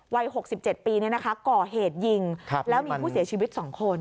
วัย๖๗ปีก่อเหตุยิงแล้วมีผู้เสียชีวิต๒คน